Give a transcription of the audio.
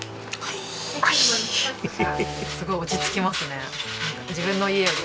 すごい落ち着きますね。